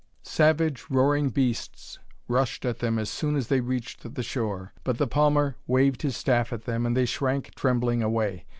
Savage, roaring beasts rushed at them as soon as they reached the shore. But the palmer waved his staff at them, and they shrank trembling away.